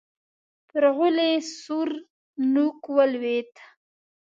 پر غولي سور نوک ولوېد.